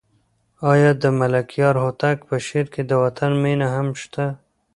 آیا د ملکیار هوتک په شعر کې د وطن مینه هم شته؟